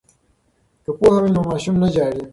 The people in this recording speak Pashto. که پوهه وي نو ماشوم نه ژاړي.